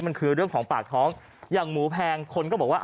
มันคือเรื่องของปากท้องอย่างหมูแพงคนก็บอกว่า